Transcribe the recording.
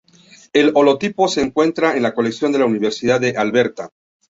El holotipo se encuentra en la colección de la Universidad de Alberta.